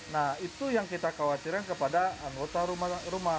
nah itu yang kita khawatirkan kepada anggota rumah